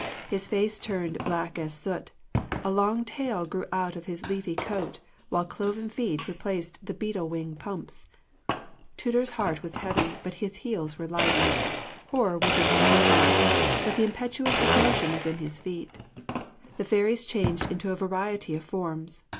His face turned as black as soot; a long tail grew out of his leafy coat, while cloven feet replaced the beetle wing pumps. Tudur's heart was heavy, but his heels were light. Horror was in his bosom, but the impetus of motion was in his feet. The fairies changed into a variety of forms.